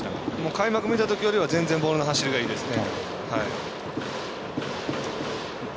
開幕見たときよりは全然ボールの走りがいいですね。